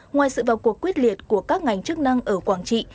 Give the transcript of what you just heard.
ngoài sự vào cuộc quyết liệt của các ngành chức năng ở quảng trị